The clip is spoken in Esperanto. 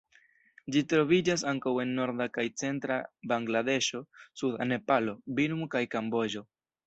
Ĝi troviĝas ankaŭ en norda kaj centra Bangladeŝo, suda Nepalo, Birmo kaj Kamboĝo.